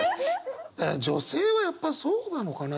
女性はやっぱそうなのかな。